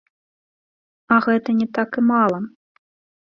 А гэта не так і мала.